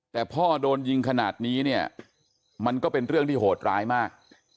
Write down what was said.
แต่พ่อโดนยิงขนาดนี้เนี่ยมันก็เป็นเรื่องที่โหดร้ายมาก